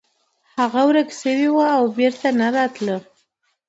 هغه ورک شوی و او بیرته نه راتلو.